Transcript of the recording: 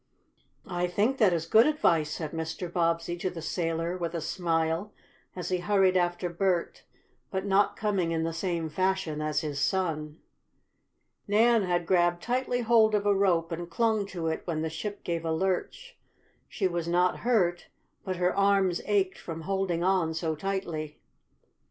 "I think that is good advice," said Mr. Bobbsey to the sailor, with a smile, as he hurried after Bert, but not coming in the same fashion as his son. Nan had grabbed tightly hold of a rope and clung to it when the ship gave a lurch. She was not hurt, but her arms ached from holding on so tightly.